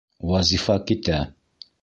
Вазифа китә.